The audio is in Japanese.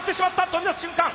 飛び出す瞬間。